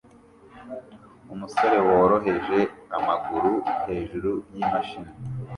umusore woroheje amaguru hejuru yimashini